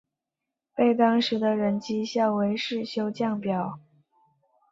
被当时的人讥笑为世修降表。